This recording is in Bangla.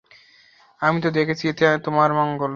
আমি তো দেখছি এতেই তোমার মঙ্গল।